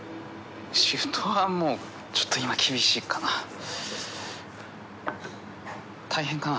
シフトはもうちょっと今厳しいかな。大変かな？